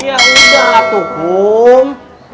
ya udah tuh kum